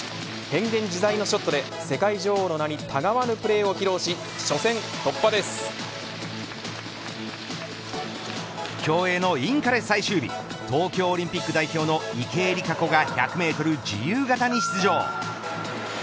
変幻自在のショットで世界女王の名にたがわぬプレーを披露し競泳のインカレ最終日東京オリンピック代表の池江璃花子が１００メートル自由形に出場。